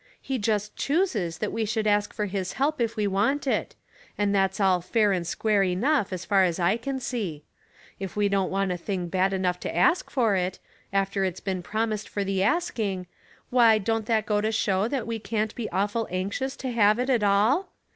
He just chooses that we should ask for His help if we want it ; and that's all fair and square enough, as far as I see. If we don't want a thing bad enough to ask for it, after it's been promised for the asking, why don't that go to show that we can't be awful anxious to have it at all